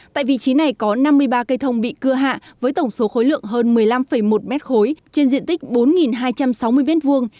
tại vị trí này có năm mươi ba cây thông bị cưa hạ với tổng số khối lượng hơn một mươi năm một mét khối trên diện tích bốn hai trăm sáu mươi m hai